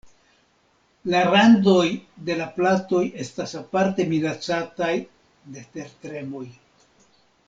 La randoj de la platoj estas aparte minacataj de tertremoj.